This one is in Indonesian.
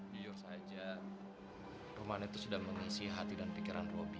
jujur saja rumahan itu sudah mengisi hati dan pikiran roby